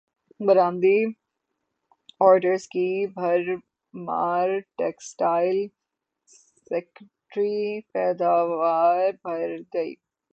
برامدی orders کی بھرمار textile سیکٹرکی پیداوار بڑھ گئی